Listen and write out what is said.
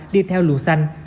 đi theo lùa xanh